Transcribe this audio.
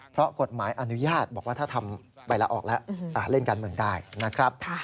เพราะกฎหมายอนุญาตบอกว่าถ้าทำใบละออกแล้วเล่นการเมืองได้นะครับ